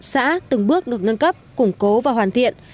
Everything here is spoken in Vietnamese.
xã từng bước được nâng cấp củng cố và hoàn thiện